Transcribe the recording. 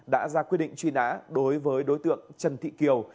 đã ra quyết định truy nã đối với đối tượng trần thị kiều